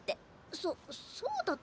そそうだったっけ？